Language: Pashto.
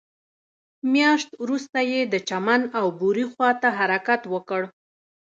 مياشت وروسته يې د چمن او بوري خواته حرکت وکړ.